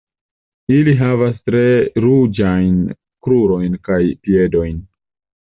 Ili havas tre ruĝajn krurojn kaj piedojn.